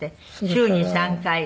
週２３回。